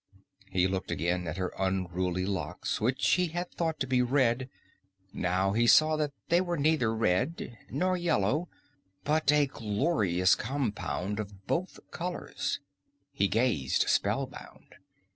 He looked again at her unruly locks, which he had thought to be red. Now he saw that they were neither red nor yellow, but a glorious compound of both colors. He gazed spell bound.